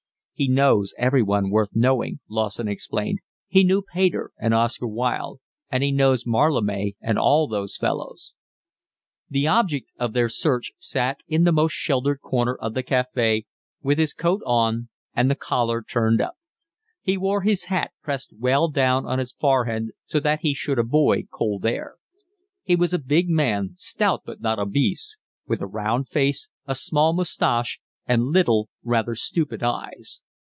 "He knows everyone worth knowing," Lawson explained. "He knew Pater and Oscar Wilde, and he knows Mallarme and all those fellows." The object of their search sat in the most sheltered corner of the cafe, with his coat on and the collar turned up. He wore his hat pressed well down on his forehead so that he should avoid cold air. He was a big man, stout but not obese, with a round face, a small moustache, and little, rather stupid eyes.